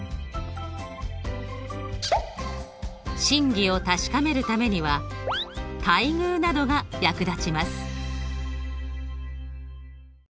真偽を確かめるためには対偶などが役立ちます。